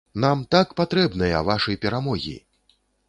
Нам так патрэбныя вашы перамогі!